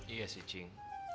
iya sih cing